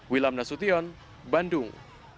wilam nasution bandung